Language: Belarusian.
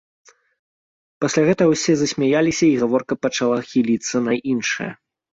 Пасля гэтага ўсе засмяяліся і гаворка пачала хіліцца на іншае.